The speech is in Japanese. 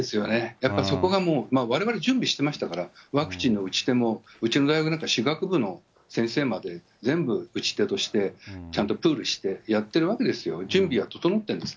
やっぱりそこがもう、われわれ準備してましたから、ワクチンの打ち手も、うちの大学なんか歯学部の先生まで、全部打ち手として、ちゃんとプールしてやってるわけですよ、準備は整ってるんです。